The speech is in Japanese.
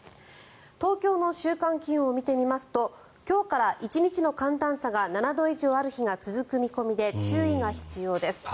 東京の週間気温を見てみますと今日から１日の寒暖差が７度以上ある日が続く見込みで注意が必要です。